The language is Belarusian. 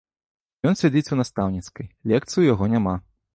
Ён сядзіць у настаўніцкай, лекцый у яго няма.